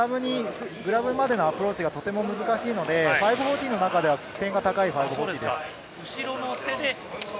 グラブまでのアプローチが難しいので、５４０の中では点が高いです。